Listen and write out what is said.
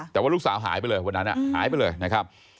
แต่ว่าลูกสาวหายไปเลยวันนั้นหายไปเลยนะครับ